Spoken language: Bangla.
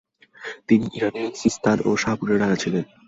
তিনি ইরানের সিস্তান ও শাহপুরের রাজা ছিলেন।